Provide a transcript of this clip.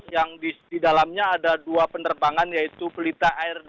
yang di dalamnya ada dua penerbangan yaitu pelitahan dan penerbangan